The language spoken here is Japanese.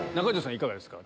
いかがですか？